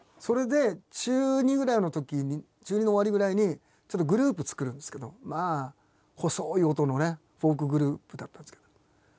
それで中２ぐらいのときに中２の終わりぐらいにちょっとグループ作るんですけどまあ細い音のねフォークグループだったんですけど。